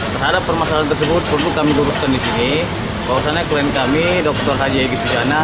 terhadap permasalahan tersebut perlu kami luluskan disini bahwasannya klien kami dr haji egy sujana